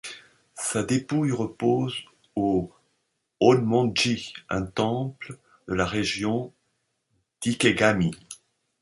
Sa dépouille repose au Honmon-ji, un temple de la région d'Ikegami.